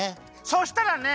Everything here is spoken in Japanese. そしたらね